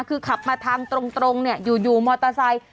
คือขับมาทางตรงเนี่ยอยู่มอเตอร์ไซค์